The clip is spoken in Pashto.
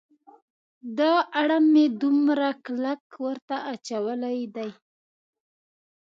دا اړم مې دومره کلک ورته اچولی دی.